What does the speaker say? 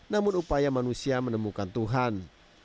namun upaya manusia menemukan tuhan